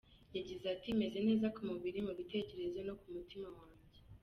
Yagize ati: "Meze neza ku mubiri, mu bitekerezo no ku mutima wanjye.